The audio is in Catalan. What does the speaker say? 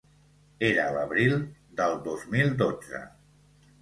Era l’abril del dos mil dotze.